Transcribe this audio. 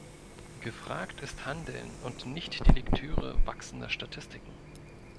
Gefragt ist Handeln und nicht die Lektüre wachsender Statistiken.